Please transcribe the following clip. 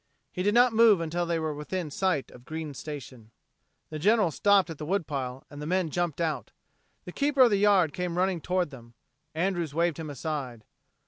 He did not move until they were within sight of Green's Station. The General stopped at the wood pile and the men jumped out. The keeper of the yard came running toward them. Andrews waved him aside.